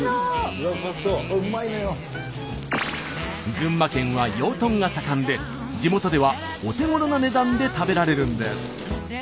群馬県は養豚が盛んで地元ではお手ごろな値段で食べられるんです。